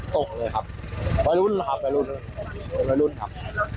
ตกเลยครับไปรุ่นครับไปรุ่นไปรุ่นครับ